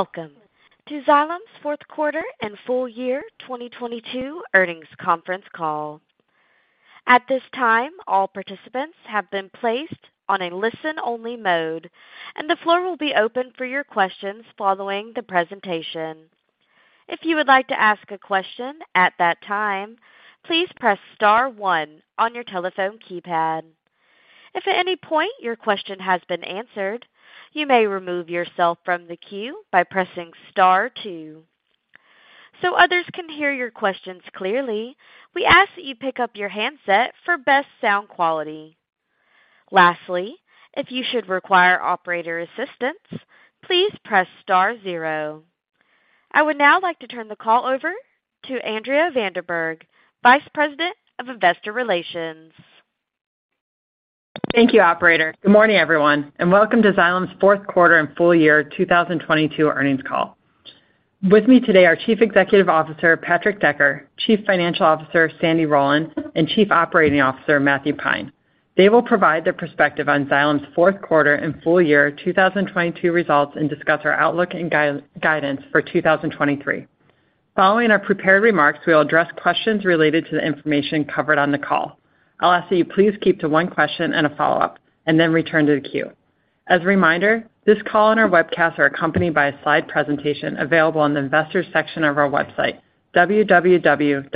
Welcome to Xylem's fourth quarter and full year 2022 earnings conference call. At this time, all participants have been placed on a listen-only mode, and the floor will be open for your questions following the presentation. If you would like to ask a question at that time, please press star one on your telephone keypad. If at any point your question has been answered, you may remove yourself from the queue by pressing star two. Others can hear your questions clearly, we ask that you pick up your handset for best sound quality. Lastly, if you should require operator assistance, please press star zero. I would now like to turn the call over to Andrea van der Berg, Vice President of Investor Relations. Thank you, operator. Welcome, everyone, and welcome to Xylem's fourth quarter and full year 2022 earnings call. With me today are Chief Executive Officer, Patrick Decker, Chief Financial Officer, Sandy Rowland, and Chief Operating Officer, Matthew Pine. They will provide their perspective on Xylem's fourth quarter and full year 2022 results and discuss our outlook and guidance for 2023. Following our prepared remarks, we will address questions related to the information covered on the call. I'll ask that you please keep to one question and a follow-up, then return to the queue. As a reminder, this call and our webcast are accompanied by a slide presentation available on the Investors section of our website, www.xylem.com.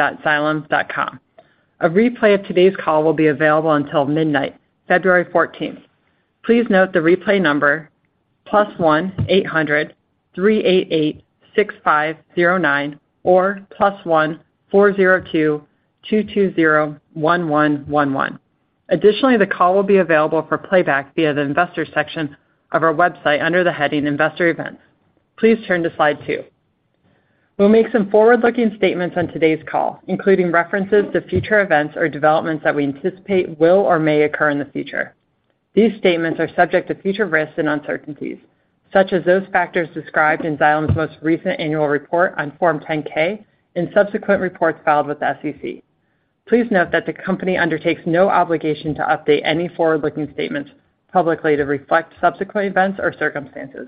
A replay of today's call will be available until midnight, February 14th. Please note the replay number +1-800-388-6509 or +1-402-220-1111. Additionally, the call will be available for playback via the Investors section of our website under the heading Investor Events. Please turn to slide two. We'll make some forward-looking statements on today's call, including references to future events or developments that we anticipate will or may occur in the future. These statements are subject to future risks and uncertainties, such as those factors described in Xylem's most recent annual report on Form 10-K and subsequent reports filed with the SEC. Please note that the company undertakes no obligation to update any forward-looking statements publicly to reflect subsequent events or circumstances,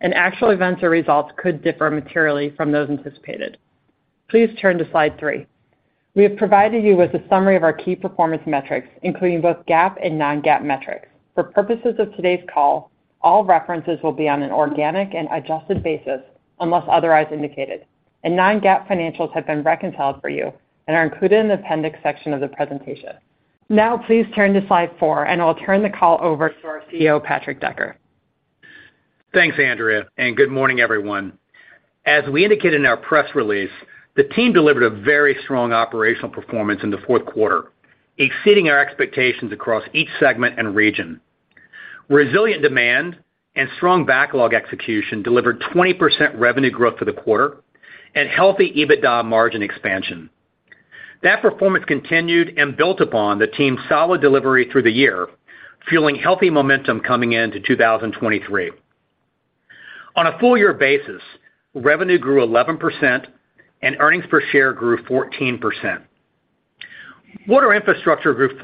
and actual events or results could differ materially from those anticipated. Please turn to slide three. We have provided you with a summary of our key performance metrics, including both GAAP and non-GAAP metrics. For purposes of today's call, all references will be on an organic and adjusted basis unless otherwise indicated. Non-GAAP financials have been reconciled for you and are included in the appendix section of the presentation. Please turn to slide four. I'll turn the call over to our CEO, Patrick Decker. Thanks, Andrea. Good morning, everyone. As we indicated in our press release, the team delivered a very strong operational performance in the fourth quarter, exceeding our expectations across each segment and region. Resilient demand and strong backlog execution delivered 20% revenue growth for the quarter and healthy EBITDA margin expansion. That performance continued and built upon the team's solid delivery through the year, fueling healthy momentum coming into 2023. On a full year basis, revenue grew 11% and earnings per share grew 14%. Water Infrastructure grew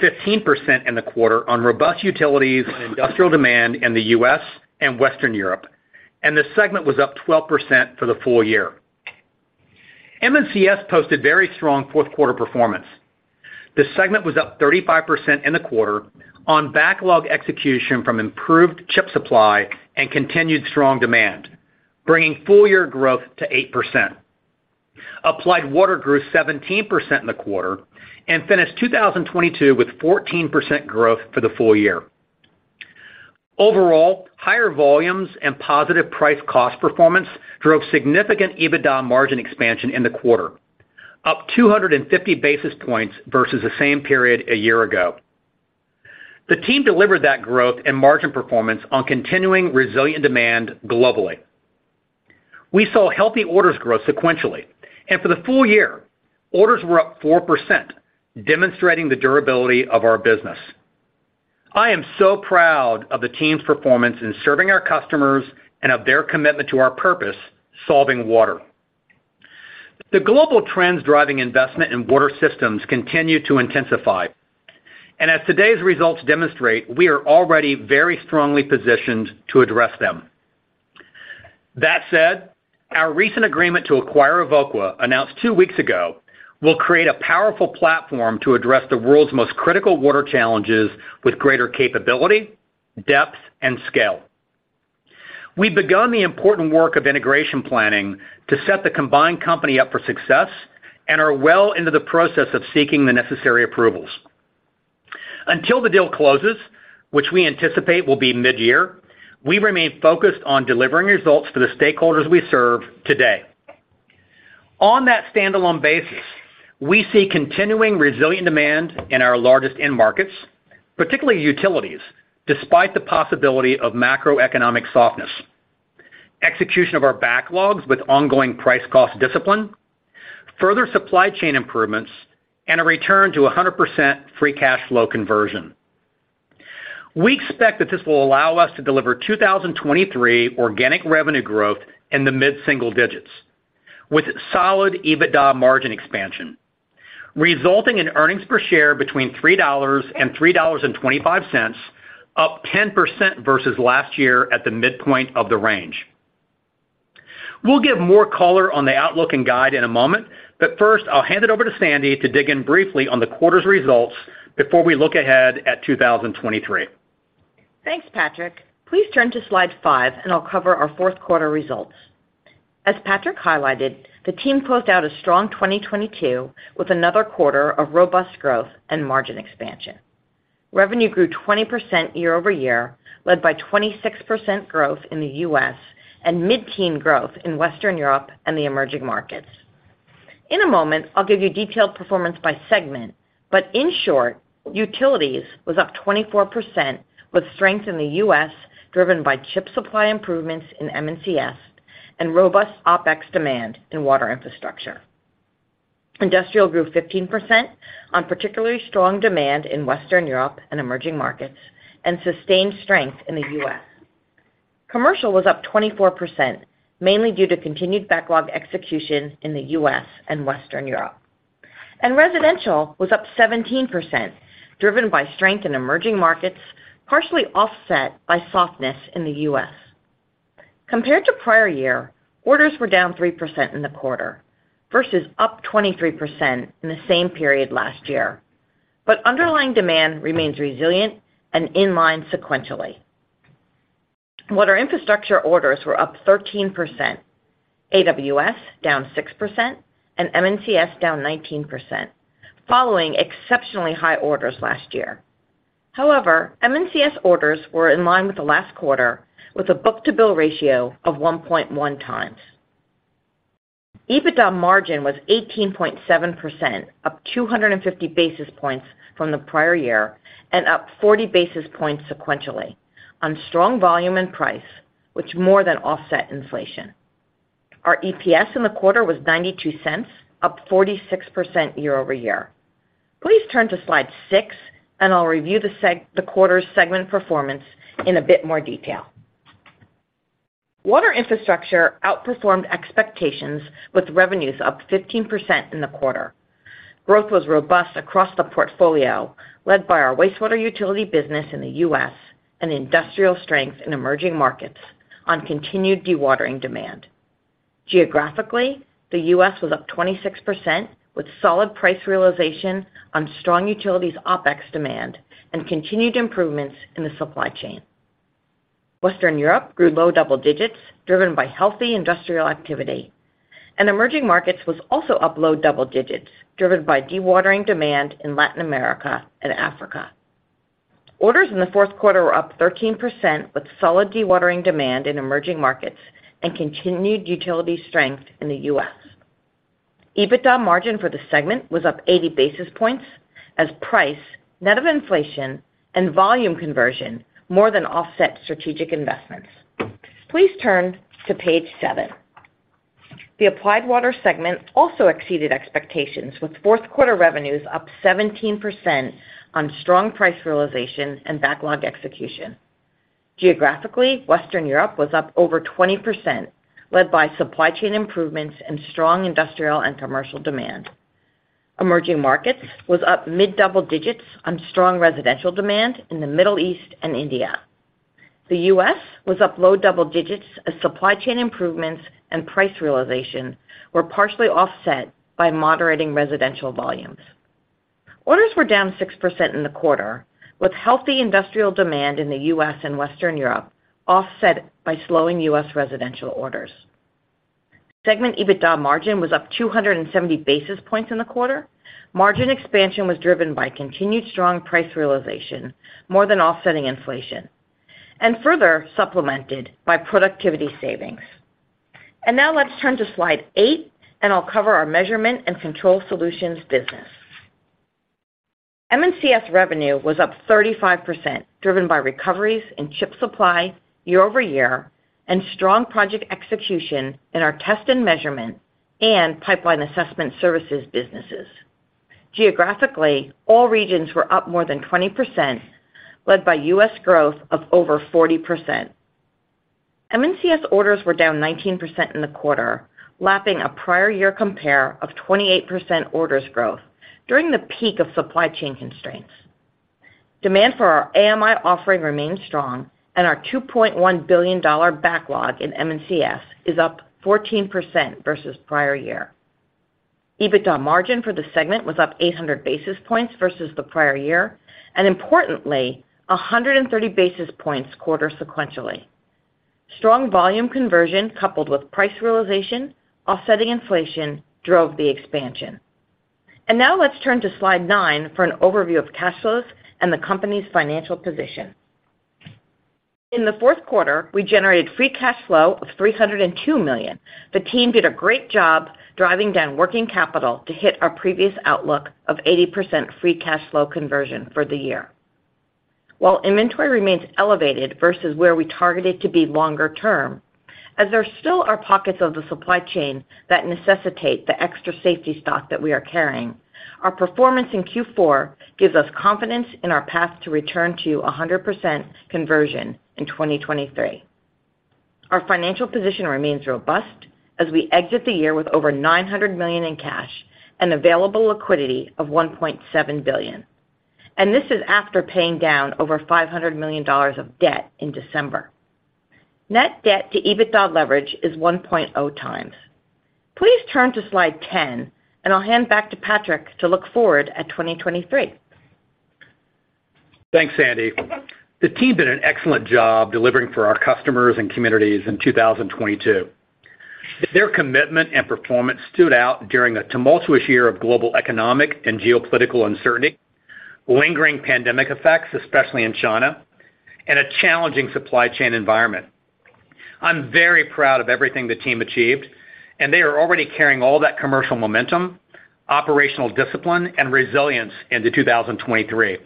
15% in the quarter on robust utilities and industrial demand in the U.S. and Western Europe. The segment was up 12% for the full year. M&CS posted very strong fourth quarter performance. The segment was up 35% in the quarter on backlog execution from improved chip supply and continued strong demand, bringing full year growth to 8%. Applied Water grew 17% in the quarter and finished 2022 with 14% growth for the full year. Overall, higher volumes and positive price cost performance drove significant EBITDA margin expansion in the quarter, up 250 basis points versus the same period a year ago. The team delivered that growth and margin performance on continuing resilient demand globally. We saw healthy orders grow sequentially, and for the full year, orders were up 4%, demonstrating the durability of our business. I am so proud of the team's performance in serving our customers and of their commitment to our purpose, solving water. The global trends driving investment in water systems continue to intensify. As today's results demonstrate, we are already very strongly positioned to address them. That said, our recent agreement to acquire Evoqua, announced two weeks ago, will create a powerful platform to address the world's most critical water challenges with greater capability, depth, and scale. We've begun the important work of integration planning to set the combined company up for success and are well into the process of seeking the necessary approvals. Until the deal closes, which we anticipate will be mid-year, we remain focused on delivering results for the stakeholders we serve today. On that standalone basis, we see continuing resilient demand in our largest end markets, particularly utilities, despite the possibility of macroeconomic softness, execution of our backlogs with ongoing price cost discipline, further supply chain improvements, and a return to a 100% Free cash flow conversion. We expect that this will allow us to deliver 2023 organic revenue growth in the mid-single digits with solid EBITDA margin expansion. Resulting in earnings per share between $3 and $3.25, up 10% versus last year at the midpoint of the range. We'll give more color on the outlook and guide in a moment, but first, I'll hand it over to Sandy to dig in briefly on the quarter's results before we look ahead at 2023. Thanks, Patrick. Please turn to slide five. I'll cover our fourth quarter results. As Patrick highlighted, the team closed out a strong 2022 with another quarter of robust growth and margin expansion. Revenue grew 20% year-over-year, led by 26% growth in the U.S. and mid-teen growth in Western Europe and the emerging markets. In a moment, I'll give you detailed performance by segment, but in short, utilities was up 24% with strength in the U.S., driven by chip supply improvements in M&CS and robust OpEx demand in Water Infrastructure. Industrial grew 15% on particularly strong demand in Western Europe and emerging markets and sustained strength in the U.S. Commercial was up 24%, mainly due to continued backlog execution in the U.S. and Western Europe. Residential was up 17%, driven by strength in emerging markets, partially offset by softness in the U.S. Compared to prior year, orders were down 3% in the quarter versus up 23% in the same period last year. Underlying demand remains resilient and in line sequentially. Water Infrastructure orders were up 13%, AWS down 6%, and M&CS down 19%, following exceptionally high orders last year. However, M&CS orders were in line with the last quarter, with a book-to-bill ratio of 1.1 times. EBITDA margin was 18.7%, up 250 basis points from the prior year and up 40 basis points sequentially on strong volume and price, which more than offset inflation. Our EPS in the quarter was $0.92, up 46% year-over-year. Please turn to slide six, and I'll review the quarter's segment performance in a bit more detail. Water Infrastructure outperformed expectations with revenues up 15% in the quarter. Growth was robust across the portfolio, led by our wastewater utility business in the U.S. and industrial strength in emerging markets on continued dewatering demand. Geographically, the U.S. was up 26% with solid price realization on strong utilities OpEx demand and continued improvements in the supply chain. Western Europe grew low double digits, driven by healthy industrial activity, and emerging markets was also up low double digits, driven by dewatering demand in Latin America and Africa. Orders in the fourth quarter were up 13% with solid dewatering demand in emerging markets and continued utility strength in the U.S. EBITDA margin for the segment was up 80 basis points as price, net of inflation, and volume conversion more than offset strategic investments. Please turn to page seven. The Applied Water segment also exceeded expectations with fourth quarter revenues up 17% on strong price realization and backlog execution. Geographically, Western Europe was up over 20%, led by supply chain improvements and strong industrial and commercial demand. Emerging markets was up mid-double digits on strong residential demand in the Middle East and India. The US was up low double digits as supply chain improvements and price realization were partially offset by moderating residential volumes. Orders were down 6% in the quarter, with healthy industrial demand in the US and Western Europe offset by slowing US residential orders. Segment EBITDA margin was up 270 basis points in the quarter. Margin expansion was driven by continued strong price realization, more than offsetting inflation, and further supplemented by productivity savings. Now let's turn to slide eight, and I'll cover our Measurement & Control Solutions business. M&CS revenue was up 35%, driven by recoveries in chip supply year-over-year and strong project execution in our test and measurement and pipeline assessment services businesses. Geographically, all regions were up more than 20%, led by U.S. growth of over 40%. M&CS orders were down 19% in the quarter, lapping a prior year compare of 28% orders growth during the peak of supply chain constraints. Demand for our AMI offering remains strong and our $2.1 billion backlog in M&CS is up 14% versus prior year. EBITDA margin for the segment was up 800 basis points versus the prior year, and importantly, 130 basis points quarter sequentially. Strong volume conversion coupled with price realization offsetting inflation drove the expansion. Now let's turn to slide 9 for an overview of cash flows and the company's financial position. In the fourth quarter, we generated free cash flow of $302 million. The team did a great job driving down working capital to hit our previous outlook of 80% free cash flow conversion for the year. While inventory remains elevated versus where we targeted to be longer term, as there still are pockets of the supply chain that necessitate the extra safety stock that we are carrying, our performance in Q4 gives us confidence in our path to return to 100% conversion in 2023. Our financial position remains robust as we exit the year with over $900 million in cash and available liquidity of $1.7 billion. This is after paying down over $500 million of debt in December. Net debt to EBITDA leverage is 1.0 times. Please turn to slide 10, and I'll hand back to Patrick to look forward at 2023. Thanks, Sandy. The team did an excellent job delivering for our customers and communities in 2022. Their commitment and performance stood out during a tumultuous year of global economic and geopolitical uncertainty, lingering pandemic effects, especially in China, and a challenging supply chain environment. I'm very proud of everything the team achieved, and they are already carrying all that commercial momentum, operational discipline, and resilience into 2023.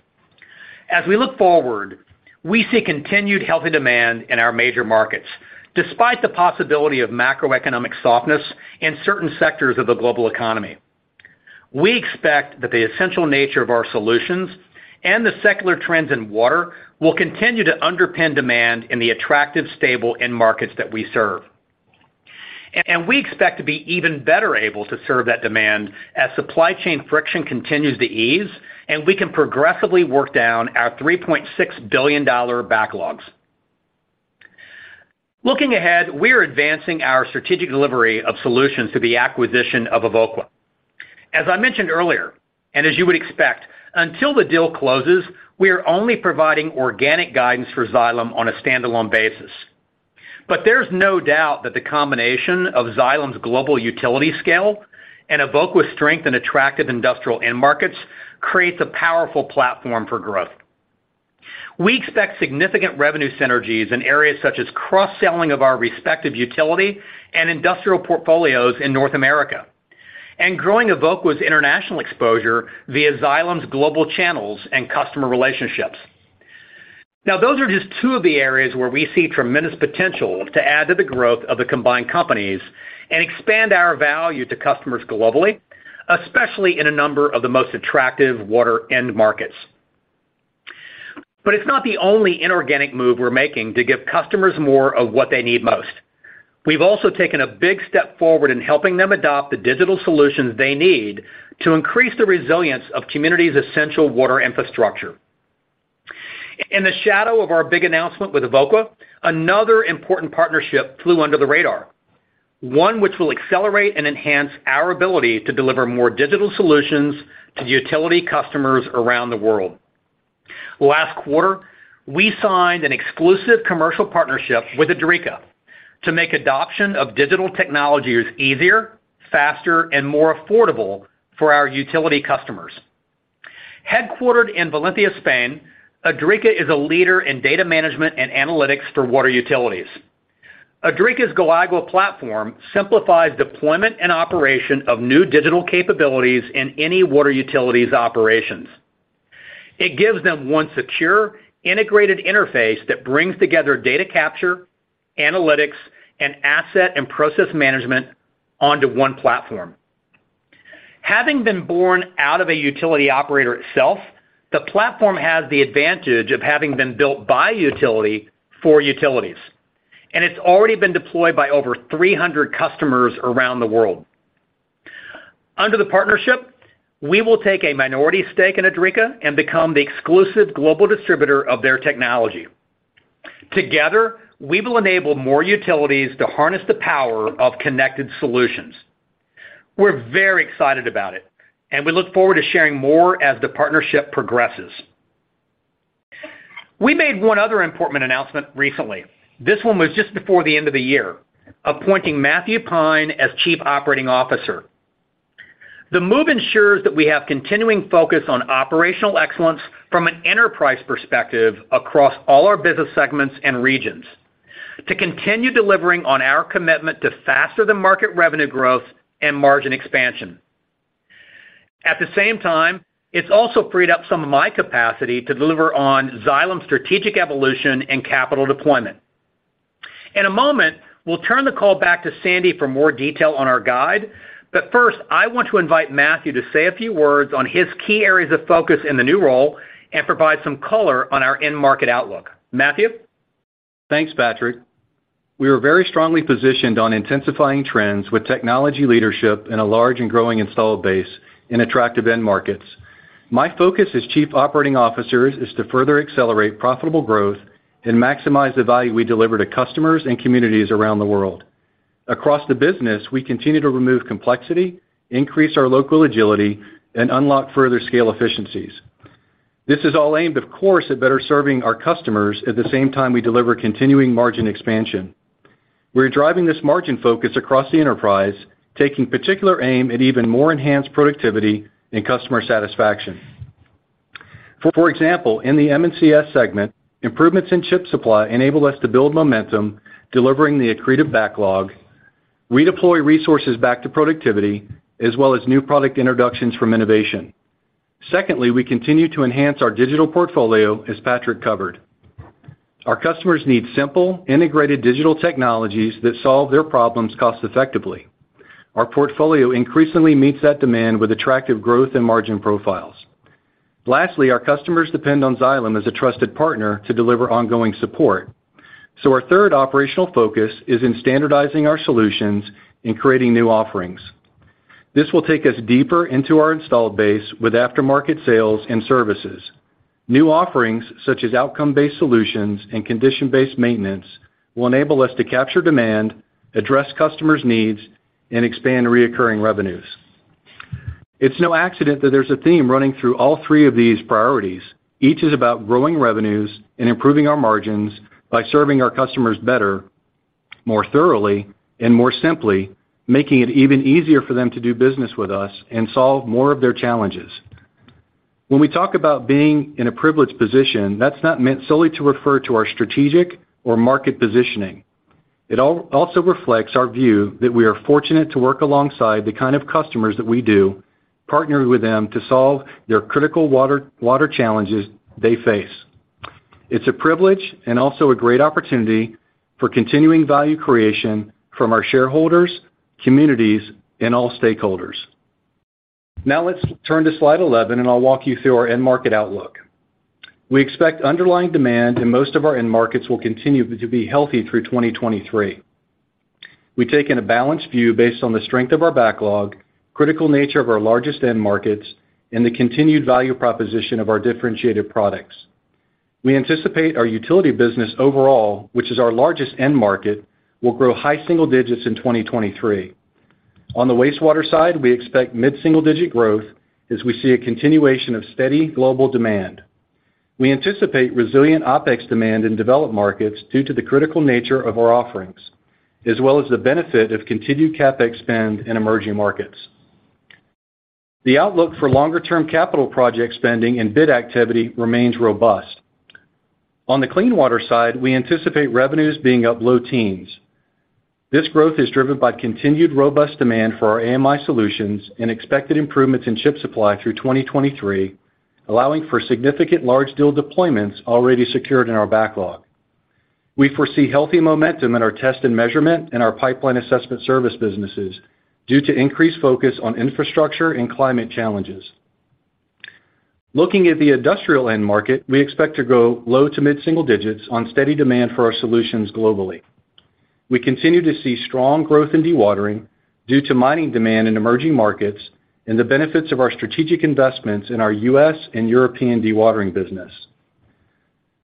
As we look forward, we see continued healthy demand in our major markets, despite the possibility of macroeconomic softness in certain sectors of the global economy. We expect that the essential nature of our solutions and the secular trends in water will continue to underpin demand in the attractive, stable end markets that we serve. We expect to be even better able to serve that demand as supply chain friction continues to ease, and we can progressively work down our $3.6 billion backlogs. Looking ahead, we are advancing our strategic delivery of solutions to the acquisition of Evoqua. As I mentioned earlier, and as you would expect, until the deal closes, we are only providing organic guidance for Xylem on a stand-alone basis. There's no doubt that the combination of Xylem's global utility scale and Evoqua's strength and attractive industrial end markets creates a powerful platform for growth. We expect significant revenue synergies in areas such as cross-selling of our respective utility and industrial portfolios in North America and growing Evoqua's international exposure via Xylem's global channels and customer relationships. Those are just two of the areas where we see tremendous potential to add to the growth of the combined companies and expand our value to customers globally, especially in a number of the most attractive water end markets. It's not the only inorganic move we're making to give customers more of what they need most. We've also taken a big step forward in helping them adopt the digital solutions they need to increase the resilience of communities' essential water infrastructure. In the shadow of our big announcement with Evoqua, another important partnership flew under the radar, one which will accelerate and enhance our ability to deliver more digital solutions to the utility customers around the world. Last quarter, we signed an exclusive commercial partnership with Idrica to make adoption of digital technologies easier, faster, and more affordable for our utility customers. Headquartered in Valencia, Spain, Idrica is a leader in data management and analytics for water utilities. Idrica's GoAigua platform simplifies deployment and operation of new digital capabilities in any water utility's operations. It gives them one secure, integrated interface that brings together data capture, analytics, and asset and process management onto one platform. Having been born out of a utility operator itself, the platform has the advantage of having been built by utility for utilities, and it's already been deployed by over 300 customers around the world. Under the partnership, we will take a minority stake in Idrica and become the exclusive global distributor of their technology. Together, we will enable more utilities to harness the power of connected solutions. We're very excited about it, and we look forward to sharing more as the partnership progresses. We made one other important announcement recently. This one was just before the end of the year, appointing Matthew Pine as Chief Operating Officer. The move ensures that we have continuing focus on operational excellence from an enterprise perspective across all our business segments and regions to continue delivering on our commitment to faster-than-market revenue growth and margin expansion. At the same time, it's also freed up some of my capacity to deliver on Xylem's strategic evolution and capital deployment. In a moment, we'll turn the call back to Sandy for more detail on our guide. First, I want to invite Matthew to say a few words on his key areas of focus in the new role and provide some color on our end market outlook. Matthew? Thanks, Patrick. We are very strongly positioned on intensifying trends with technology leadership and a large and growing installed base in attractive end markets. My focus as Chief Operating Officer is to further accelerate profitable growth and maximize the value we deliver to customers and communities around the world. Across the business, we continue to remove complexity, increase our local agility, and unlock further scale efficiencies. This is all aimed, of course, at better serving our customers at the same time we deliver continuing margin expansion. We're driving this margin focus across the enterprise, taking particular aim at even more enhanced productivity and customer satisfaction. For example, in the M&CS segment, improvements in chip supply enable us to build momentum, delivering the accretive backlog, redeploy resources back to productivity, as well as new product introductions from innovation. Secondly, we continue to enhance our digital portfolio, as Patrick covered. Our customers need simple, integrated digital technologies that solve their problems cost-effectively. Our portfolio increasingly meets that demand with attractive growth and margin profiles. Lastly, our customers depend on Xylem as a trusted partner to deliver ongoing support. Our third operational focus is in standardizing our solutions and creating new offerings. This will take us deeper into our installed base with aftermarket sales and services. New offerings, such as outcome-based solutions and condition-based maintenance, will enable us to capture demand, address customers' needs, and expand reoccurring revenues. It's no accident that there's a theme running through all three of these priorities. Each is about growing revenues and improving our margins by serving our customers better, more thoroughly, and more simply, making it even easier for them to do business with us and solve more of their challenges. When we talk about being in a privileged position, that's not meant solely to refer to our strategic or market positioning. It also reflects our view that we are fortunate to work alongside the kind of customers that we do, partnering with them to solve their critical water challenges they face. It's a privilege and also a great opportunity for continuing value creation from our shareholders, communities, and all stakeholders. Now let's turn to slide 11, and I'll walk you through our end market outlook. We expect underlying demand in most of our end markets will continue to be healthy through 2023. We've taken a balanced view based on the strength of our backlog, critical nature of our largest end markets, and the continued value proposition of our differentiated products. We anticipate our utility business overall, which is our largest end market, will grow high single digits in 2023. On the wastewater side, we expect mid-single-digit growth as we see a continuation of steady global demand. We anticipate resilient OpEx demand in developed markets due to the critical nature of our offerings, as well as the benefit of continued CapEx spend in emerging markets. The outlook for longer-term capital project spending and bid activity remains robust. On the clean water side, we anticipate revenues being up low teens. This growth is driven by continued robust demand for our AMI solutions and expected improvements in chip supply through 2023, allowing for significant large deal deployments already secured in our backlog. We foresee healthy momentum in our test and measurement and our pipeline assessment service businesses due to increased focus on infrastructure and climate challenges. Looking at the industrial end market, we expect to grow low-to-mid single digits on steady demand for our solutions globally. We continue to see strong growth in dewatering due to mining demand in emerging markets and the benefits of our strategic investments in our U.S. and European dewatering business.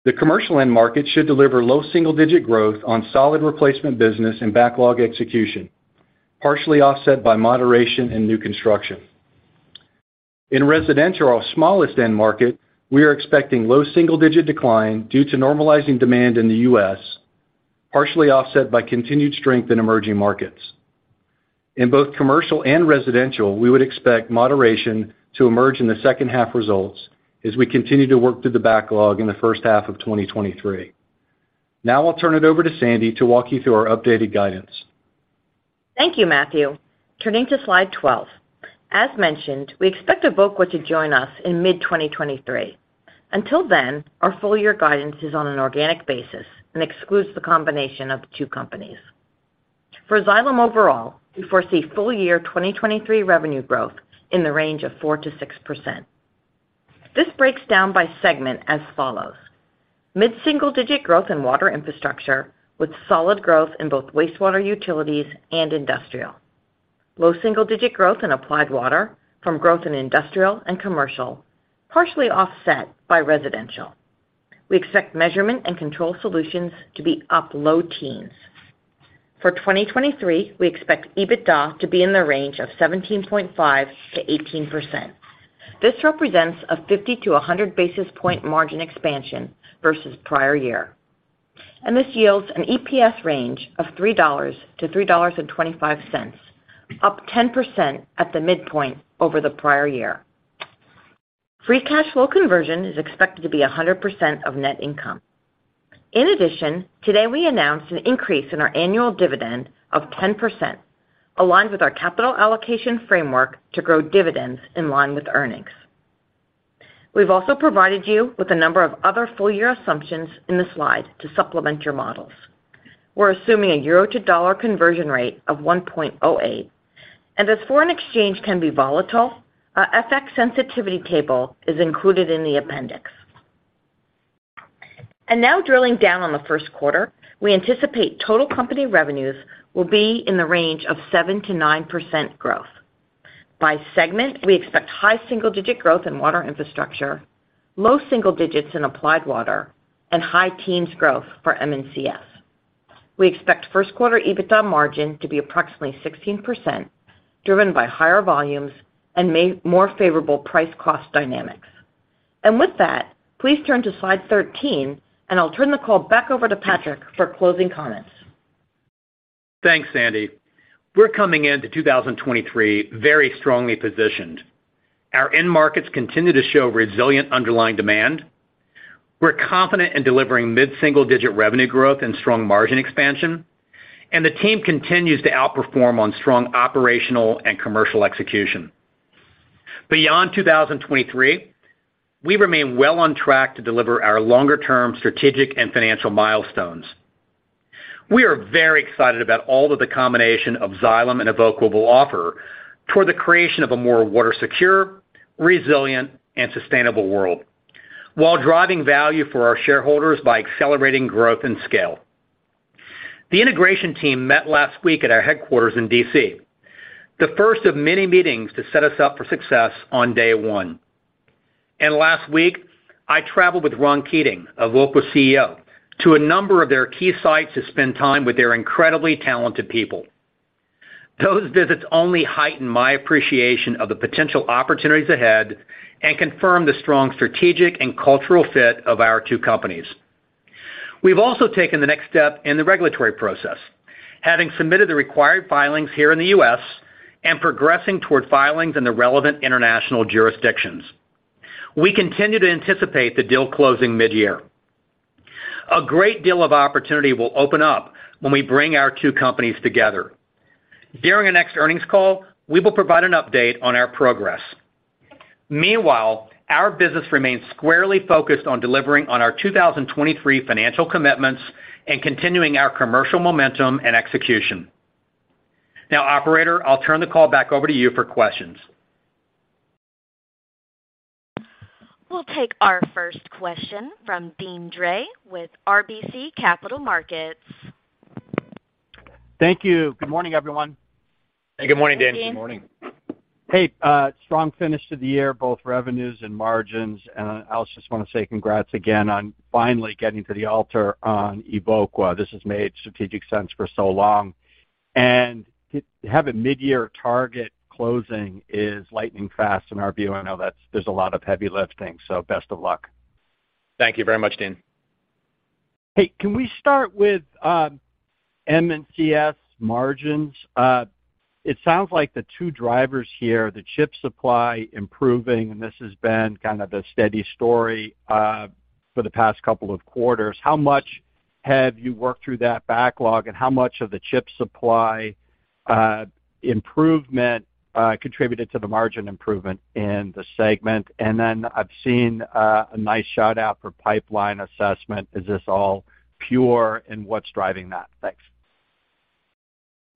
The commercial end market should deliver low single-digit growth on solid replacement business and backlog execution, partially offset by moderation in new construction. In residential, our smallest end market, we are expecting low single-digit decline due to normalizing demand in the U.S., partially offset by continued strength in emerging markets. In both commercial and residential, we would expect moderation to emerge in the second half results as we continue to work through the backlog in the first half of 2023. Now, I'll turn it over to Sandy to walk you through our updated guidance. Thank you, Matthew. Turning to slide 12. As mentioned, we expect Evoqua to join us in mid-2023. Until then, our full year guidance is on an organic basis and excludes the combination of the two companies. For Xylem overall, we foresee full year 2023 revenue growth in the range of 4%-6%. This breaks down by segment as follows: Mid-single-digit growth in Water Infrastructure, with solid growth in both wastewater utilities and industrial. Low single-digit growth in Applied Water from growth in industrial and commercial, partially offset by residential. We expect Measurement and Control Solutions to be up low teens. For 2023, we expect EBITDA to be in the range of 17.5%-18%. This represents a 50 to 100 basis point margin expansion versus prior year. This yields an EPS range of $3.00-$3.25, up 10% at the midpoint over the prior year. Free cash flow conversion is expected to be 100% of net income. In addition, today, we announced an increase in our annual dividend of 10%, aligned with our capital allocation framework to grow dividends in line with earnings. We've also provided you with a number of other full year assumptions in the slide to supplement your models. We're assuming a EUR to dollar conversion rate of 1.08. As foreign exchange can be volatile, our FX sensitivity table is included in the appendix. Now drilling down on the first quarter, we anticipate total company revenues will be in the range of 7%-9% growth. By segment, we expect high single-digit growth in Water Infrastructure, low single digits in Applied Water, and high teens growth for M&CS. We expect first quarter EBITDA margin to be approximately 16%, driven by higher volumes and more favorable price-cost dynamics. With that, please turn to slide 13, and I'll turn the call back over to Patrick for closing comments. Thanks, Sandy. We're coming into 2023 very strongly positioned. Our end markets continue to show resilient underlying demand. We're confident in delivering mid-single-digit revenue growth and strong margin expansion. The team continues to outperform on strong operational and commercial execution. Beyond 2023, we remain well on track to deliver our longer term strategic and financial milestones. We are very excited about all that the combination of Xylem and Evoqua will offer toward the creation of a more water secure, resilient and sustainable world, while driving value for our shareholders by accelerating growth and scale. The integration team met last week at our headquarters in D.C., the first of many meetings to set us up for success on day one. Last week, I traveled with Ron Keating, Evoqua's CEO, to a number of their key sites to spend time with their incredibly talented people. Those visits only heightened my appreciation of the potential opportunities ahead and confirmed the strong strategic and cultural fit of our two companies. We've also taken the next step in the regulatory process, having submitted the required filings here in the U.S. and progressing toward filings in the relevant international jurisdictions. We continue to anticipate the deal closing mid-year. A great deal of opportunity will open up when we bring our two companies together. During the next earnings call, we will provide an update on our progress. Meanwhile, our business remains squarely focused on delivering on our 2023 financial commitments and continuing our commercial momentum and execution. Now, operator, I'll turn the call back over to you for questions. We'll take our first question from Deane Dray with RBC Capital Markets. Thank you. Good morning, everyone. Good morning, Deane. Good morning. Hey, strong finish to the year, both revenues and margins. Alice, just wanna say congrats again on finally getting to the altar on Evoqua. This has made strategic sense for so long. To have a mid-year target closing is lightning fast in our view. I know there's a lot of heavy lifting, so best of luck. Thank you very much, Deane. Hey, can we start with M&CS margins? It sounds like the two drivers here, the chip supply improving, and this has been kind of a steady story for the past couple of quarters. How much have you worked through that backlog? How much of the chip supply improvement contributed to the margin improvement in the segment? I've seen a nice shout out for pipeline assessment. Is this all pure? What's driving that? Thanks.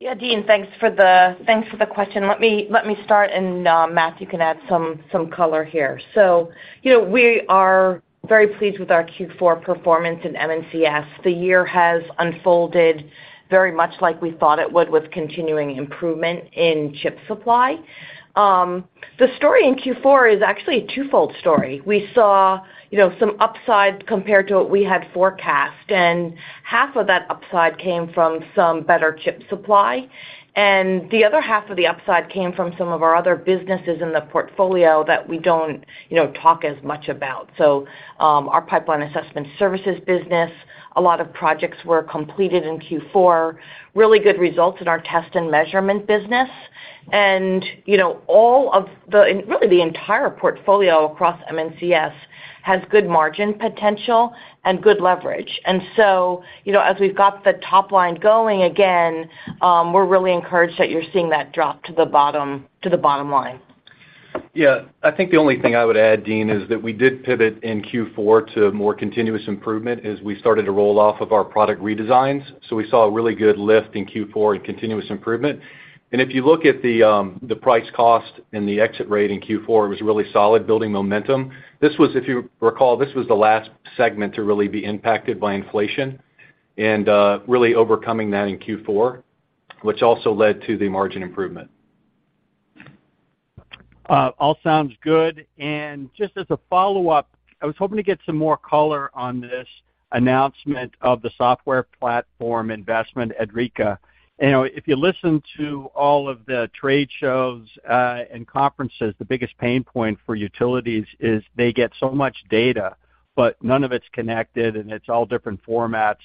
Yeah. Deane, thanks for the, thanks for the question. Let me, let me start, Matthew can add some color here. You know, we are very pleased with our Q4 performance in M&CS. The year has unfolded very much like we thought it would with continuing improvement in chip supply. The story in Q4 is actually a twofold story. We saw, you know, some upside compared to what we had forecast, half of that upside came from some better chip supply. The other half of the upside came from some of our other businesses in the portfolio that we don't, you know, talk as much about. Our pipeline assessment services business, a lot of projects were completed in Q4, really good results in our test and measurement business. You know, and really the entire portfolio across M&CS has good margin potential and good leverage. So, you know, as we've got the top line going again, we're really encouraged that you're seeing that drop to the bottom, to the bottom line. Yeah. I think the only thing I would add, Deane, is that we did pivot in Q4 to more continuous improvement as we started to roll off of our product redesigns. We saw a really good lift in Q4 in continuous improvement. If you look at the price cost and the exit rate in Q4, it was really solid building momentum. This was, if you recall, this was the last segment to really be impacted by inflation and really overcoming that in Q4, which also led to the margin improvement. All sounds good. Just as a follow-up, I was hoping to get some more color on this announcement of the software platform investment at Idrica. You know, if you listen to all of the trade shows, and conferences, the biggest pain point for utilities is they get so much data, but none of it's connected, and it's all different formats.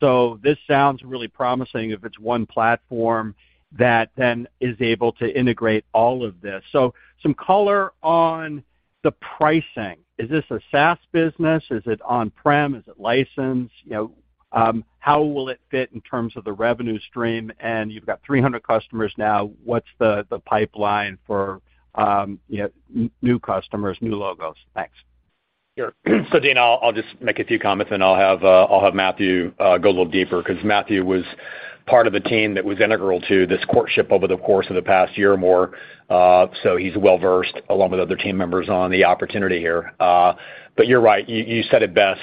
This sounds really promising if it's one platform that then is able to integrate all of this. Some color on the pricing. Is this a SaaS business? Is it on-prem? Is it licensed? You know, how will it fit in terms of the revenue stream? You've got 300 customers now, what's the pipeline for, you know, new customers, new logos? Thanks. Sure. Dean, I'll just make a few comments, and I'll have Matthew go a little deeper because Matthew was part of the team that was integral to this courtship over the course of the past year or more. He's well-versed, along with other team members, on the opportunity here. You're right, you said it best.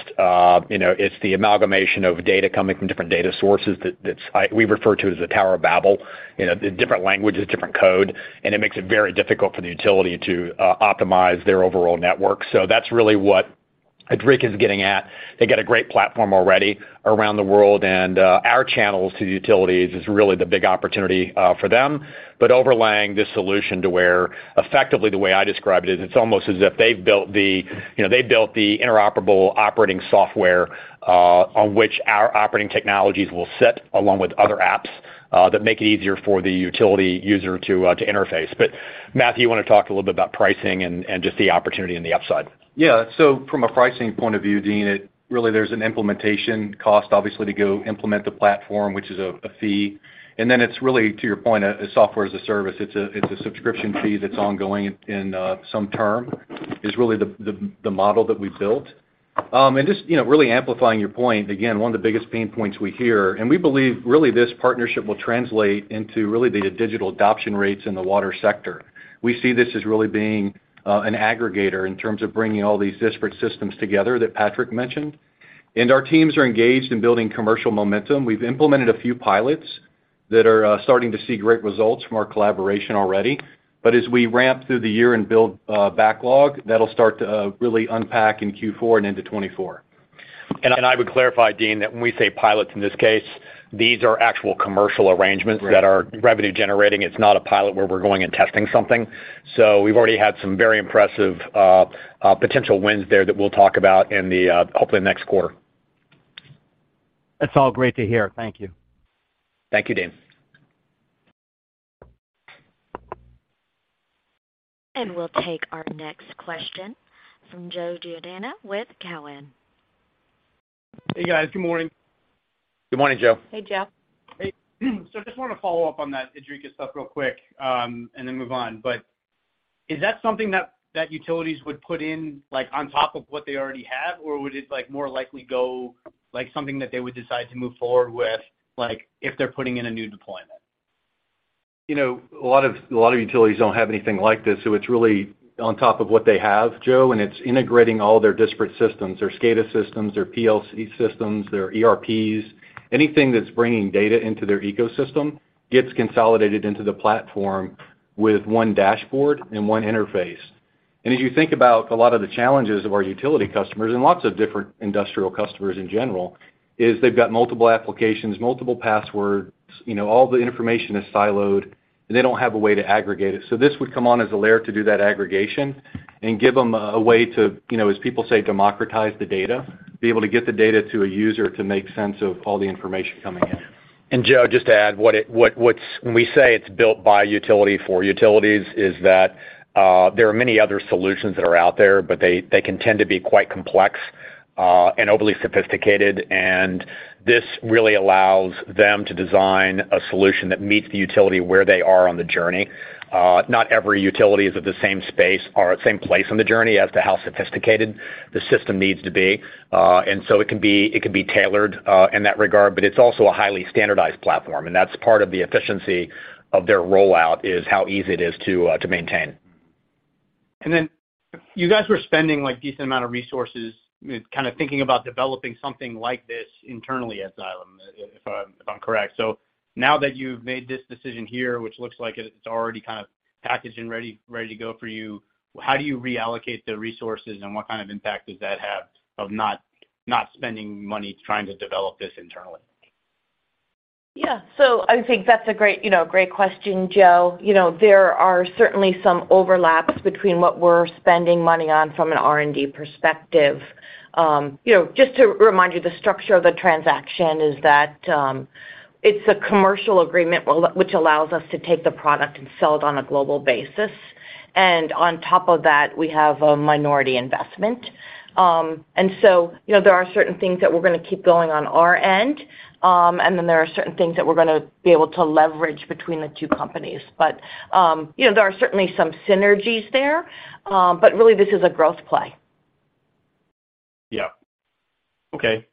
You know, it's the amalgamation of data coming from different data sources that we refer to as the Tower of Babel, you know, different languages, different code, and it makes it very difficult for the utility to optimize their overall network. That's really what Idrica is getting at. They get a great platform already around the world, our channels to the utilities is really the big opportunity for them. Overlaying this solution to where effectively the way I describe it is, it's almost as if they've built the, you know, they built the interoperable operating software on which our operating technologies will sit along with other apps that make it easier for the utility user to interface. Matthew, you wanna talk a little bit about pricing and just the opportunity in the upside? Yeah. From a pricing point of view, Dean, it really there's an implementation cost, obviously, to go implement the platform, which is a fee. Then it's really, to your point, a Software as a Service. It's a subscription fee that's ongoing in some term, is really the model that we buil. Just, you know, really amplifying your point, again, one of the biggest pain points we hear, and we believe really this partnership will translate into really the digital adoption rates in the water sector. We see this as really being an aggregator in terms of bringing all these disparate systems together that Patrick mentioned. Our teams are engaged in building commercial momentum. We've implemented a few pilots that are starting to see great results from our collaboration already. As we ramp through the year and build backlog, that'll start to really unpack in Q4 and into 2024. I would clarify, Deane, that when we say pilots, in this case, these are actual commercial arrangements. Right. that are revenue generating. It's not a pilot where we're going and testing something. We've already had some very impressive potential wins there that we'll talk about in the hopefully next quarter. That's all great to hear. Thank you. Thank you, Deane. We'll take our next question from Joe Giordano with Cowen. Hey, guys. Good morning. Good morning, Joe. Hey, Joe. Hey. I just wanna follow up on that Idrica stuff real quick, and then move on. Is that something that utilities would put in, like, on top of what they already have? Or would it, like, more likely go, like, something that they would decide to move forward with, like, if they're putting in a new deployment? You know, a lot of utilities don't have anything like this, so it's really on top of what they have, Joe, and it's integrating all their disparate systems, their SCADA systems, their PLC systems, their ERPs. Anything that's bringing data into their ecosystem gets consolidated into the platform with one dashboard and one interface. As you think about a lot of the challenges of our utility customers and lots of different industrial customers in general, is they've got multiple applications, multiple passwords, you know, all the information is siloed. They don't have a way to aggregate it. This would come on as a layer to do that aggregation and give them a way to, you know, as people say, democratize the data, be able to get the data to a user to make sense of all the information coming in. Joe, just to add when we say it's built by utility for utilities is that there are many other solutions that are out there, but they can tend to be quite complex and overly sophisticated, and this really allows them to design a solution that meets the utility where they are on the journey. Not every utility is at the same space or same place on the journey as to how sophisticated the system needs to be. It can be, it can be tailored in that regard, but it's also a highly standardized platform, and that's part of the efficiency of their rollout, is how easy it is to maintain. You guys were spending, like, decent amount of resources, kind of thinking about developing something like this internally at Xylem, if I'm correct. Now that you've made this decision here, which looks like it's already kind of packaged and ready to go for you, how do you reallocate the resources, and what kind of impact does that have of not spending money trying to develop this internally? Yeah. I think that's a great, you know, great question, Joe. There are certainly some overlaps between what we're spending money on from an R&D perspective. You know, just to remind you, the structure of the transaction is that it's a commercial agreement which allows us to take the product and sell it on a global basis. On top of that, we have a minority investment. You know, there are certain things that we're gonna keep going on our end, and then there are certain things that we're gonna be able to leverage between the two companies. You know, there are certainly some synergies there, but really this is a growth play. Okay.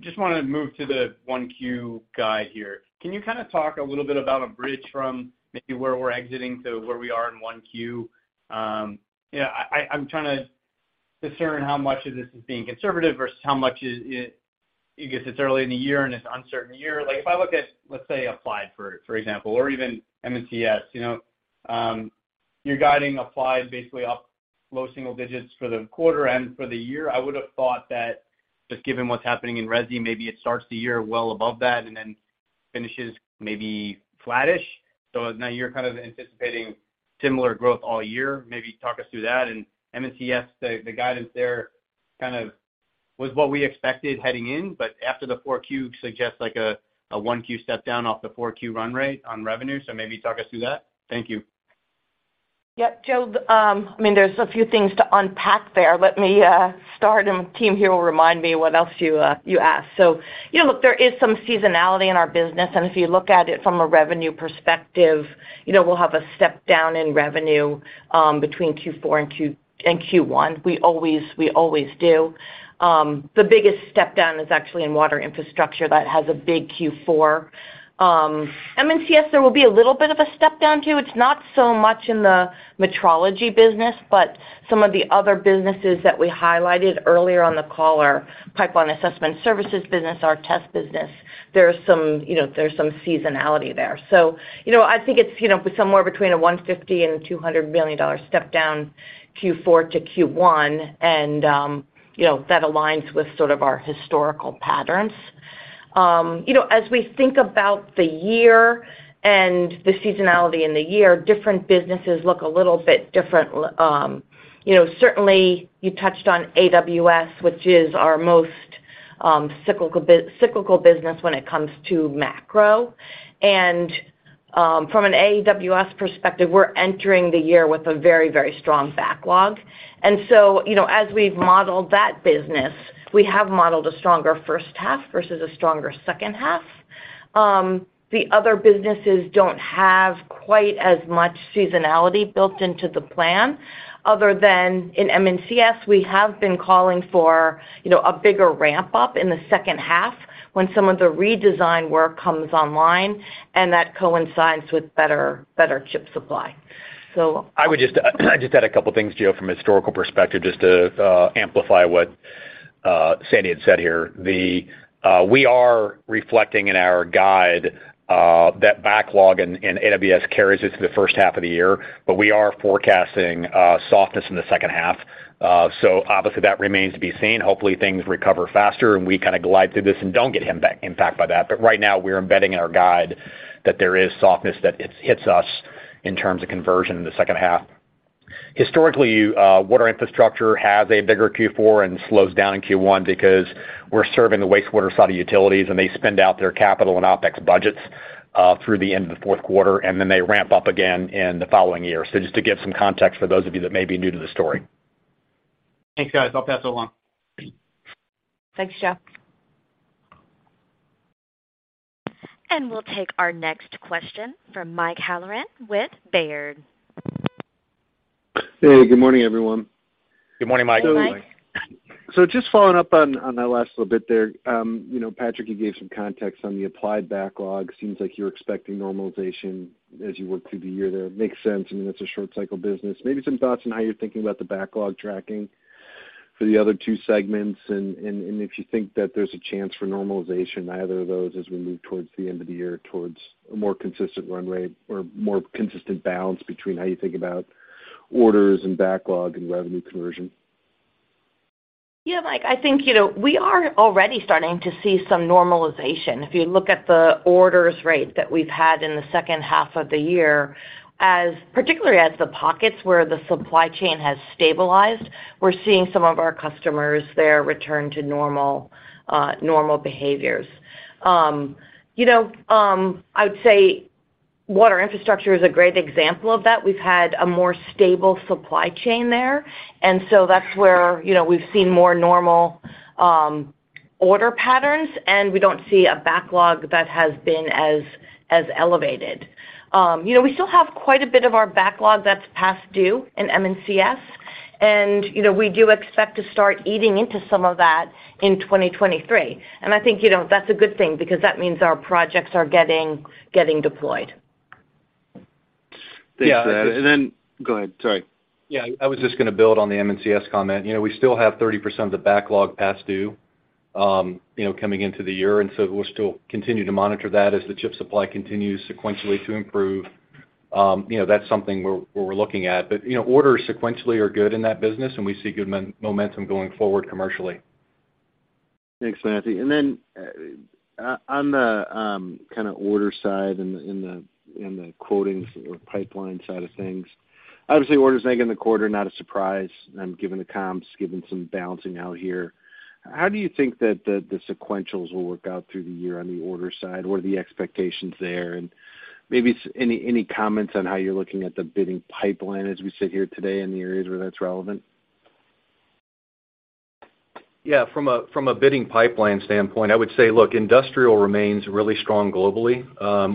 Just wanna move to the 1Q guide here. Can you kinda talk a little bit about a bridge from maybe where we're exiting to where we are in 1Q? You know, I'm trying to discern how much of this is being conservative versus how much it's early in the year and it's an uncertain year. Like, if I look at, let's say, Applied, for example, or even M&CS, you know, you're guiding Applied basically up low single digits for the quarter and for the year. I would have thought that just given what's happening in resi, maybe it starts the year well above that and then finishes maybe flattish. Now you're kind of anticipating similar growth all year. Maybe talk us through that. M&CS, the guidance there kind of was what we expected heading in, but after the 4Q suggests, like, a 1Q step down off the 4Q run rate on revenue. Maybe talk us through that. Thank you. Yep. Joe Giordano, I mean, there's a few things to unpack there. Let me start and team here will remind me what else you asked. You know, look, there is some seasonality in our business, and if you look at it from a revenue perspective, you know, we'll have a step down in revenue between Q4 and Q1. We always do. The biggest step down is actually in Water Infrastructure that has a big Q4. M&CS, there will be a little bit of a step down too. It's not so much in the metrology business, but some of the other businesses that we highlighted earlier on the call, our pipeline assessment services business, our test business. There's some, you know, there's some seasonality there. You know, I think it's, you know, somewhere between a $150 and $200 million step down Q4 to Q1. You know, that aligns with sort of our historical patterns. You know, as we think about the year and the seasonality in the year, different businesses look a little bit different. You know, certainly you touched on AWS, which is our most cyclical business when it comes to macro. From an AWS perspective, we're entering the year with a very, very strong backlog. You know, as we've modeled that business, we have modeled a stronger first half versus a stronger second half. The other businesses don't have quite as much seasonality built into the plan other than in M&CS, we have been calling for, you know, a bigger ramp-up in the second half when some of the redesign work comes online, and that coincides with better chip supply. I would just add a couple of things, Gio, from a historical perspective, just to amplify what Sandy Rowland had said here. We are reflecting in our guide that backlog in AWS carries us through the first half of the year, but we are forecasting softness in the second half. Obviously that remains to be seen. Hopefully, things recover faster, and we kinda glide through this and don't get impact by that. Right now, we're embedding in our guide that there is softness that it hits us in terms of conversion in the second half. Historically, Water Infrastructure has a bigger Q4 and slows down in Q1 because we're serving the wastewater side of utilities, and they spend out their capital and OpEx budgets through the end of the fourth quarter, and then they ramp up again in the following year. Just to give some context for those of you that may be new to the story. Thanks, guys. I'll pass it along. Thanks, Gio. We'll take our next question from Mike Halloran with Baird. Hey, good morning, everyone. Good morning, Mike. Good morning. Just following up on that last little bit there. You know, Patrick, you gave some context on the Applied backlog. Seems like you're expecting normalization as you work through the year there. Makes sense. I mean, it's a short cycle business. Maybe some thoughts on how you're thinking about the backlog tracking for the other two segments, and if you think that there's a chance for normalization, either of those as we move towards the end of the year towards a more consistent run rate or more consistent balance between how you think about orders and backlog and revenue conversion? Yeah, Mike, I think, you know, we are already starting to see some normalization. If you look at the orders rate that we've had in the second half of the year, as particularly as the pockets where the supply chain has stabilized, we're seeing some of our customers there return to normal behaviors. You know, I would say Water Infrastructure is a great example of that. We've had a more stable supply chain there. So that's where, you know, we've seen more normal order patterns. We don't see a backlog that has been as elevated. You know, we still have quite a bit of our backlog that's past due in M&CS. You know, we do expect to start eating into some of that in 2023. I think, you know, that's a good thing because that means our projects are getting deployed. Thanks for that.... Go ahead. Sorry. Yeah. I was just gonna build on the M&CS comment. You know, we still have 30% of the backlog past due, you know, coming into the year. We'll still continue to monitor that as the chip supply continues sequentially to improve. You know, that's something we're looking at. Orders sequentially are good in that business, and we see good momentum going forward commercially. Thanks, Matthew. Then, on the kinda order side in the quotings or pipeline side of things, obviously, orders negative in the quarter, not a surprise, given the comps, given some balancing out here. How do you think that the sequentials will work out through the year on the order side? What are the expectations there? Maybe any comments on how you're looking at the bidding pipeline as we sit here today in the areas where that's relevant. From a bidding pipeline standpoint, I would say, look, industrial remains really strong globally.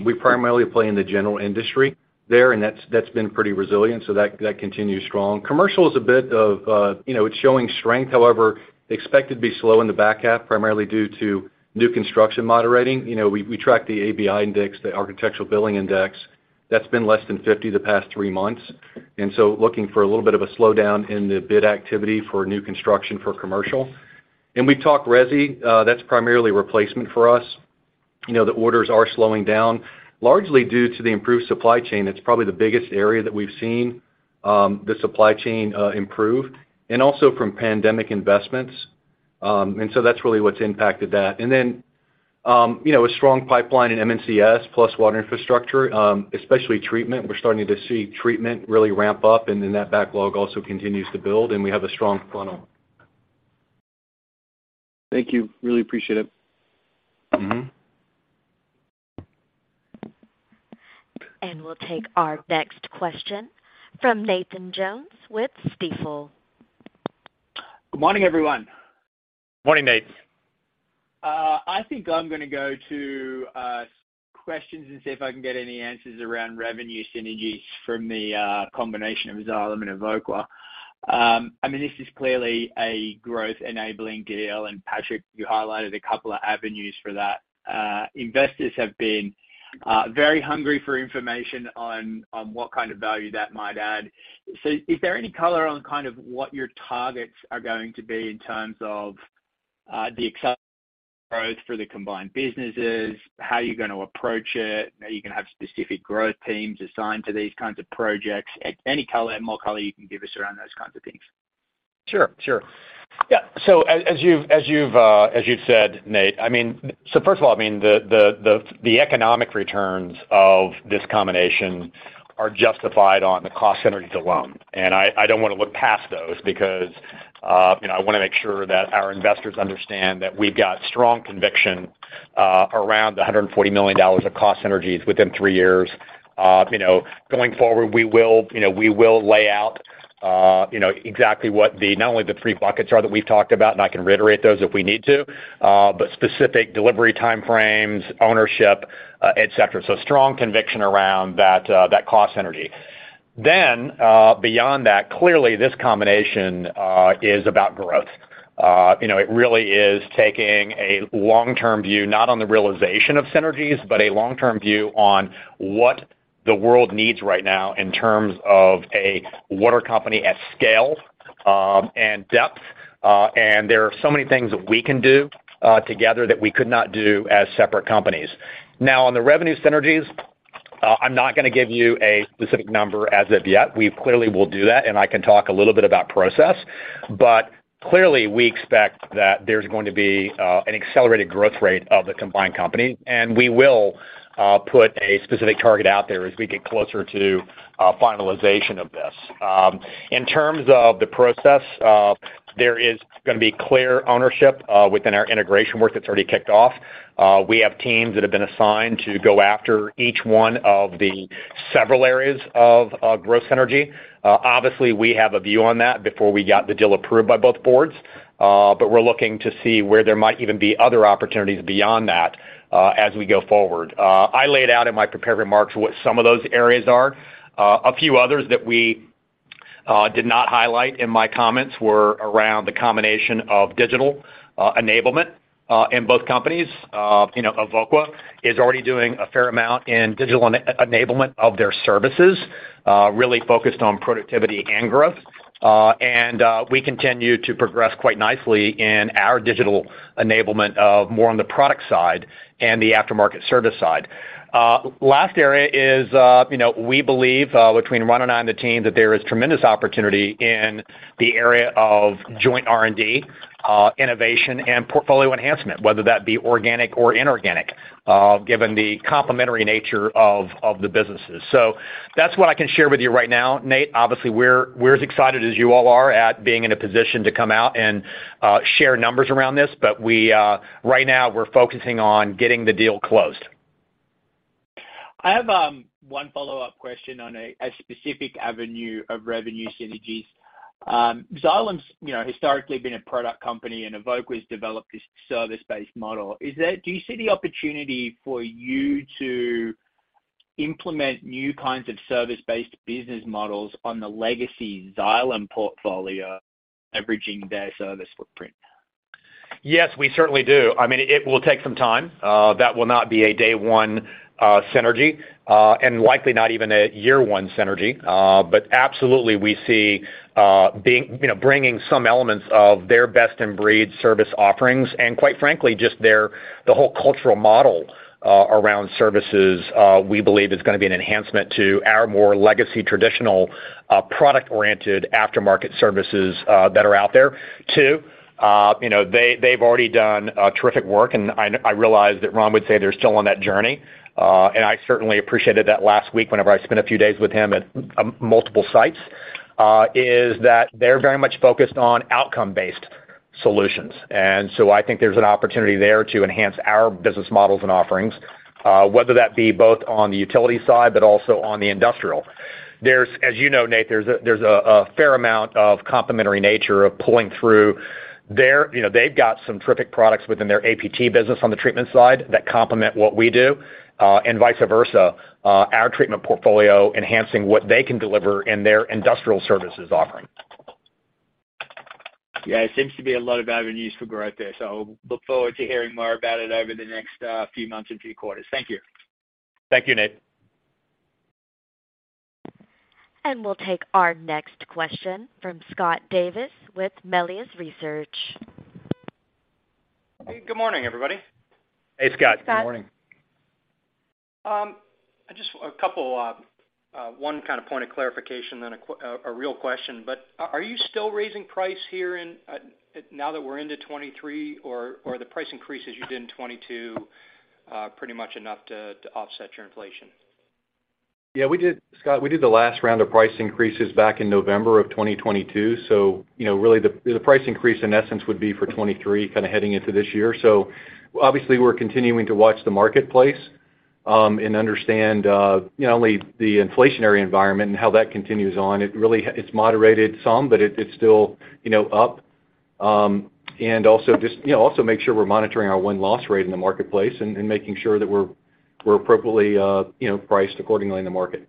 We primarily play in the general industry there, and that's been pretty resilient, so that continues strong. Commercial is a bit of, you know, it's showing strength. However, expect it to be slow in the back half, primarily due to new construction moderating. You know, we track the ABI index, the Architecture Billings Index. That's been less than 50 the past three months, looking for a little bit of a slowdown in the bid activity for new construction for commercial. We talk resi, that's primarily replacement for us. You know, the orders are slowing down largely due to the improved supply chain. That's probably the biggest area that we've seen, the supply chain improve, and also from pandemic investments. That's really what's impacted that. Then, you know, a strong pipeline in M&CS plus Water Infrastructure, especially treatment. We're starting to see treatment really ramp up, that backlog also continues to build, and we have a strong funnel. Thank you. Really appreciate it. Mm-hmm. We'll take our next question from Nathan Jones with Stifel. Good morning, everyone. Morning, Nate. I think I'm gonna go to questions and see if I can get any answers around revenue synergies from the combination of Xylem and Evoqua. I mean, this is clearly a growth-enabling deal, and Patrick, you highlighted a couple of avenues for that. Investors have been very hungry for information on what kind of value that might add. Is there any color on kind of what your targets are going to be in terms of the accelerated growth for the combined businesses, how you're gonna approach it? Are you gonna have specific growth teams assigned to these kinds of projects? Any color, more color you can give us around those kinds of things. Sure, sure. Yeah. As you've said, Nate, first of all, the economic returns of this combination are justified on the cost synergies alone. I don't wanna look past those because, you know, I wanna make sure that our investors understand that we've got strong conviction around the $140 million of cost synergies within three years. You know, going forward, we will, you know, we will lay out exactly what the, not only the three buckets are that we've talked about, and I can reiterate those if we need to, but specific delivery time frames, ownership, et cetera. Strong conviction around that cost synergy. Beyond that, clearly this combination is about growth. You know, it really is taking a long-term view, not on the realization of synergies, but a long-term view on what the world needs right now in terms of a water company at scale, and depth. There are so many things that we can do together that we could not do as separate companies. Now on the revenue synergies, I'm not gonna give you a specific number as of yet. We clearly will do that, and I can talk a little bit about process. Clearly, we expect that there's going to be an accelerated growth rate of the combined company, and we will put a specific target out there as we get closer to finalization of this. In terms of the process, there is gonna be clear ownership within our integration work that's already kicked off. We have teams that have been assigned to go after each one of the several areas of growth synergy. Obviously, we have a view on that before we got the deal approved by both boards. We're looking to see where there might even be other opportunities beyond that, as we go forward. I laid out in my prepared remarks what some of those areas are. A few others that we did not highlight in my comments were around the combination of digital enablement in both companies. You know, Evoqua is already doing a fair amount in digital enablement of their services, really focused on productivity and growth. We continue to progress quite nicely in our digital enablement of more on the product side and the aftermarket service side. Last area is, you know, we believe, between Ron and I, and the team, that there is tremendous opportunity in the area of joint R&D, innovation, and portfolio enhancement, whether that be organic or inorganic, given the complementary nature of the businesses. That's what I can share with you right now, Nate. Obviously, we're as excited as you all are at being in a position to come out and share numbers around this. We, right now we're focusing on getting the deal closed. I have one follow-up question on a specific avenue of revenue synergies. Xylem's, you know, historically been a product company, and Evoqua's developed this service-based model. Do you see the opportunity for you to implement new kinds of service-based business models on the legacy Xylem portfolio, averaging their service footprint? Yes, we certainly do. I mean, it will take some time. That will not be a day one synergy and likely not even a year one synergy. Absolutely, we see being, you know, bringing some elements of their best-in-breed service offerings, and quite frankly, just the whole cultural model around services, we believe is gonna be an enhancement to our more legacy, traditional, product-oriented aftermarket services that are out there. Two, you know, they've already done terrific work, and I realize that Ron would say they're still on that journey. I certainly appreciated that last week whenever I spent a few days with him at multiple sites, is that they're very much focused on outcome-based solutions. I think there's an opportunity there to enhance our business models and offerings, whether that be both on the utility side, but also on the industrial. As you know, Nate, there's a fair amount of complementary nature of pulling through their. You know, they've got some terrific products within their APT business on the treatment side that complement what we do, and vice versa, our treatment portfolio enhancing what they can deliver in their industrial services offering. Yeah, it seems to be a lot of avenues for growth there, so look forward to hearing more about it over the next few months and few quarters. Thank you. Thank you, Nate. We'll take our next question from Scott Davis with Melius Research. Hey, good morning, everybody. Hey, Scott. Good morning. Scott. Just a couple, one kind of point of clarification then a real question. Are you still raising price here in now that we're into 2023? Or are the price increases you did in 2022 pretty much enough to offset your inflation? Yeah, we did Scott, we did the last round of price increases back in November of 2022. you know, really, the price increase, in essence, would be for 2023, kinda heading into this year. obviously we're continuing to watch the marketplace and understand, you know, not only the inflationary environment and how that continues on. It's moderated some, but it's still, you know, up. And also just, you know, also make sure we're monitoring our win-loss rate in the marketplace and making sure that we're appropriately, you know, priced accordingly in the market.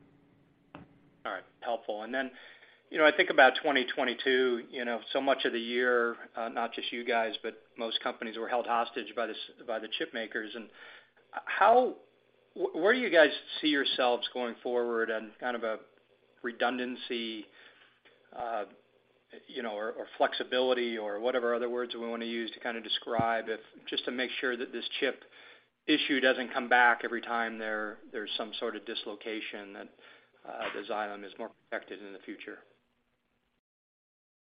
Helpful. You know, I think about 2022, you know, so much of the year, not just you guys, but most companies were held hostage by the chip makers. Where do you guys see yourselves going forward on kind of a redundancy, you know, or flexibility or whatever other words we wanna use to kinda describe just to make sure that this chip issue doesn't come back every time there's some sort of dislocation that Xylem is more protected in the future?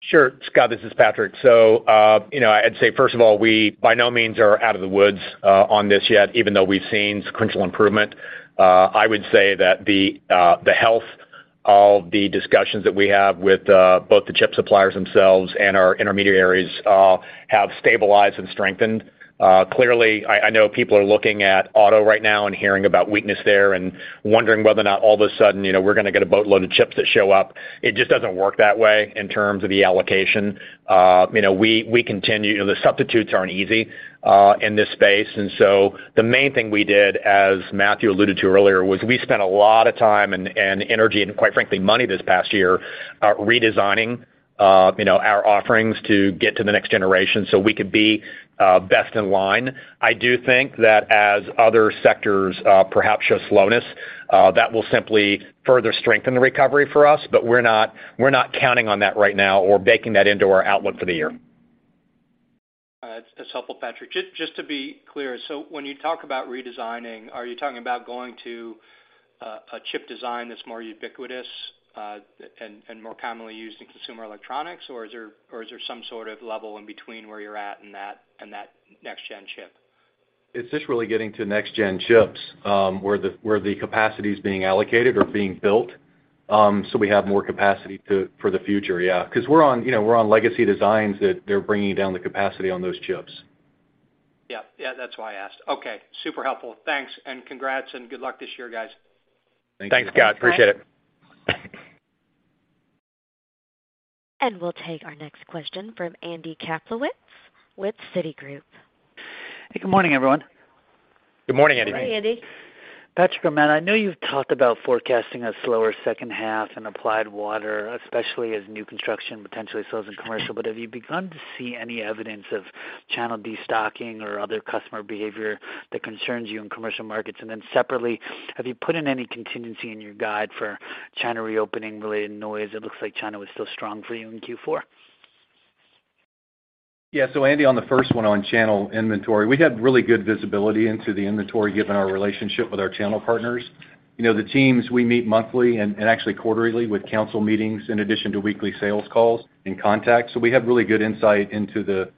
Sure. Scott, this is Patrick. You know, I'd say, first of all, we by no means are out of the woods on this yet, even though we've seen sequential improvement. I would say that the healthAll the discussions that we have with both the chip suppliers themselves and our intermediaries have stabilized and strengthened. Clearly, I know people are looking at auto right now and hearing about weakness there and wondering whether or not all of a sudden, you know, we're gonna get a boatload of chips that show up. It just doesn't work that way in terms of the allocation. You know, we continue. You know, the substitutes aren't easy in this space. The main thing we did, as Matthew alluded to earlier, was we spent a lot of time and energy and, quite frankly, money this past year, redesigning, you know, our offerings to get to the next generation so we could be best in line. I do think that as other sectors, perhaps show slowness, that will simply further strengthen the recovery for us, but we're not counting on that right now or baking that into our outlook for the year. All right. That's helpful, Patrick. Just to be clear, when you talk about redesigning, are you talking about going to a chip design that's more ubiquitous and more commonly used in consumer electronics? Or is there some sort of level in between where you're at and that next gen chip? It's just really getting to next-gen chips, where the capacity is being allocated or being built, so we have more capacity to, for the future. Yeah. We're on, you know, we're on legacy designs that they're bringing down the capacity on those chips. Yeah. Yeah, that's why I asked. Okay, super helpful. Thanks, and congrats, and good luck this year, guys. Thanks, Scott. Appreciate it. We'll take our next question from Andy Kaplowitz with Citigroup. Hey, good morning, everyone. Good morning, Andy. Good morning, Andy. Patrick or Matt, I know you've talked about forecasting a slower second half in Applied Water, especially as new construction potentially slows in commercial, but have you begun to see any evidence of channel destocking or other customer behavior that concerns you in commercial markets? Then separately, have you put in any contingency in your guide for China reopening related noise? It looks like China was still strong for you in Q4. Yeah. Andy, on the first one on channel inventory, we have really good visibility into the inventory given our relationship with our channel partners. You know, the teams, we meet monthly and actually quarterly with council meetings in addition to weekly sales calls and contacts. We have really good insight into the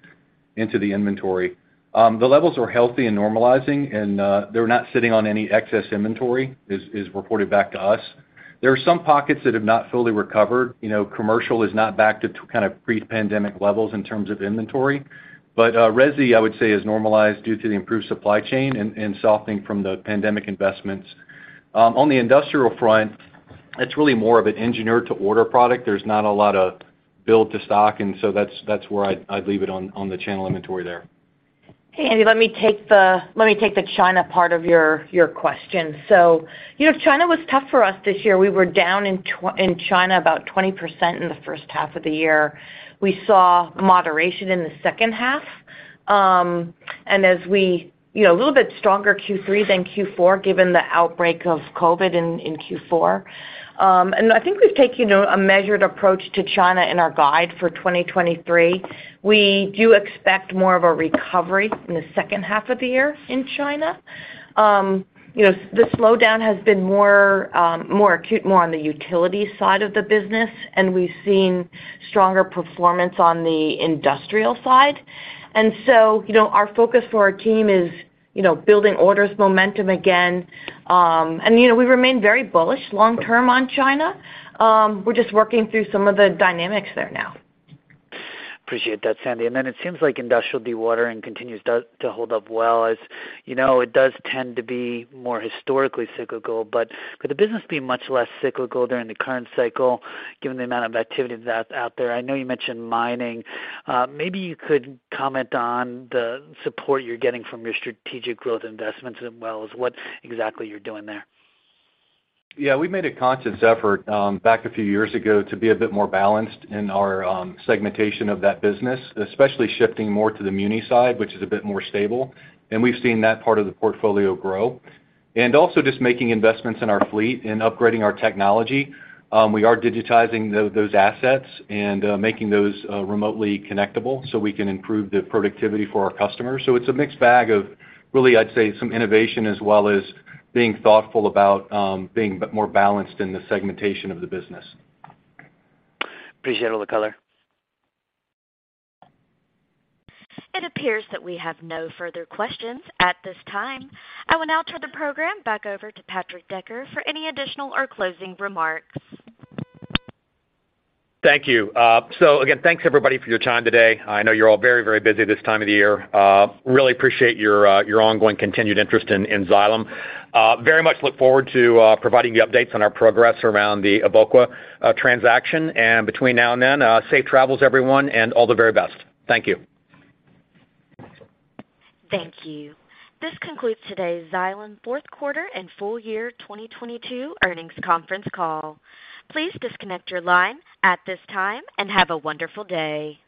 inventory. The levels are healthy and normalizing, and they're not sitting on any excess inventory, is reported back to us. There are some pockets that have not fully recovered. You know, commercial is not back to kind of pre-pandemic levels in terms of inventory. Resi, I would say, is normalized due to the improved supply chain and softening from the pandemic investments. On the industrial front, it's really more of an engineer to order product. There's not a lot of build to stock, and so that's where I'd leave it on the channel inventory there. Hey, Andy, let me take the China part of your question. You know, China was tough for us this year. We were down in China about 20% in the first half of the year. We saw moderation in the second half. You know, a little bit stronger Q3 than Q4, given the outbreak of COVID in Q4. I think we've taken a measured approach to China in our guide for 2023. We do expect more of a recovery in the second half of the year in China. You know, the slowdown has been more acute, more on the utility side of the business, and we've seen stronger performance on the industrial side. You know, our focus for our team is, you know, building orders momentum again. you know, we remain very bullish long term on China. We're just working through some of the dynamics there now. Appreciate that, Sandy. Then it seems like industrial dewatering continues to hold up well. As you know, it does tend to be more historically cyclical, but could the business be much less cyclical during the current cycle given the amount of activity that's out there? I know you mentioned mining. Maybe you could comment on the support you're getting from your strategic growth investments as well as what exactly you're doing there. Yeah. We made a conscious effort, back a few years ago to be a bit more balanced in our segmentation of that business, especially shifting more to the muni side, which is a bit more stable, and we've seen that part of the portfolio grow. Also just making investments in our fleet and upgrading our technology. We are digitizing those assets and making those remotely connectable so we can improve the productivity for our customers. It's a mixed bag of really, I'd say, some innovation as well as being thoughtful about being more balanced in the segmentation of the business. Appreciate all the color. It appears that we have no further questions at this time. I will now turn the program back over to Patrick Decker for any additional or closing remarks. Thank you. Again, thanks everybody for your time today. I know you're all very, very busy this time of the year. really appreciate your ongoing continued interest in Xylem. very much look forward to, providing you updates on our progress around the Evoqua transaction. between now and then, safe travels, everyone, and all the very best. Thank you. Thank you. This concludes today's Xylem fourth quarter and full year 2022 earnings conference call. Please disconnect your line at this time, and have a wonderful day.